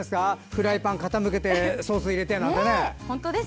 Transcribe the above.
フライパンを傾けてソースを入れて、なんてね。